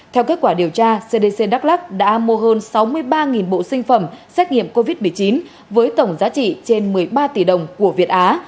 theo kết quả điều tra cdc đắk lắc đã mua hơn sáu mươi ba bộ sinh phẩm xét nghiệm covid một mươi chín với tổng giá trị trên một mươi ba tỷ đồng của việt á